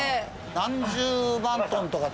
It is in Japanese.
何十万トンとか。